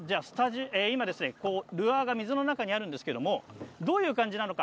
ルアーが水の中にあるんですけれどもどういう感じなのか